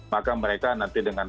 maka mereka nanti dengan